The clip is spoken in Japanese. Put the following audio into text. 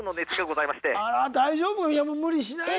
いやもう無理しないでよ。